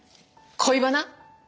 恋バナ？